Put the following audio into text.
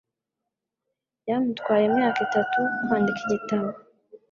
Byamutwaye imyaka itatu kwandika igitabo.